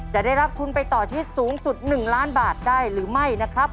จะได้รับทุนไปต่อชีวิตสูงสุด๑ล้านบาทได้หรือไม่นะครับ